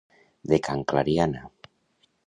De can Clariana.